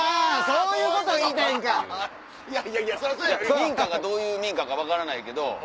民家がどういう民家か分からないけど。